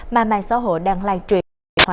mà mạng xã hội đang lan truyền